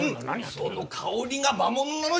その香りが魔物なのじゃ。